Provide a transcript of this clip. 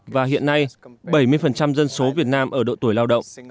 và hiện nay bảy mươi dân số việt nam ở độ tuổi lao động